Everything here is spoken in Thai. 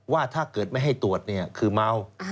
ว่าถ้าเกิดไม่ให้ตรวจคือเมา